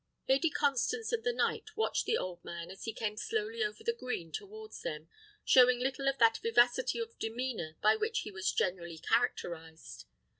Lady Constance and the knight watched the old man as he came slowly over the green towards them, showing little of that vivacity of demeanour by which he was generally characterised.